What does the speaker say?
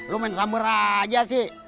lu main sambur aja sih